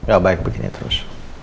gak baik begini terus